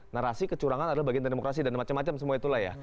narasi kecurangan adalah bagian dari demokrasi dan macam macam semua itulah ya